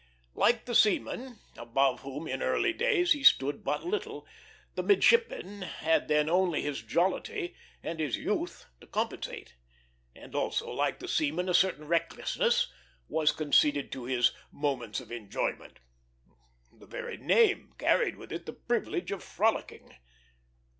Like the seaman, above whom in earlier days he stood but little, the midshipman had then only his jollity and his youth to compensate; and also like the seaman a certain recklessness was conceded to his moments of enjoyment. The very name carried with it the privilege of frolicking.